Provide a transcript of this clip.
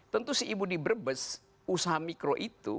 tentu si ibu di brebes usaha mikro itu